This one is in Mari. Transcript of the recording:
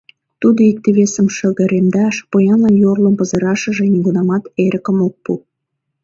Тудо икте-весым шыгыремдаш, поянлан йорлым пызырашыже нигунамат эрыкым ок пу.